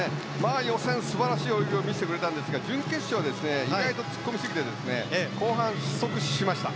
予選、素晴らしい泳ぎを見せてくれたんですが準決勝で意外と突っ込みすぎて後半、失速しました。